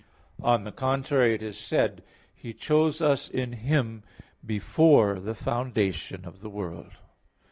On the contrary, It is said (Eph. 1:4): "He chose us in Him before the foundation of the world."